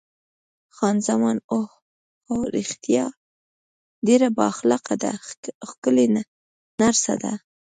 خان زمان: اوه هو، رښتیا ډېره با اخلاقه ده، ښکلې نرسه ده.